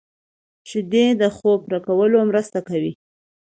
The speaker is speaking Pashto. شیدې د خوب پوره کولو مرسته کوي